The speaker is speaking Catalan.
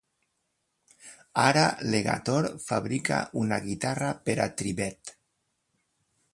Ara Legator fabrica una guitarra per a Tribbett.